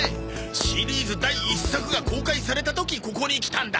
シリーズ第１作が公開された時ここに来たんだ！